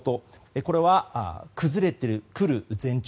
これは崩れてくる前兆。